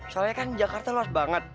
soalnya kan jakarta luas banget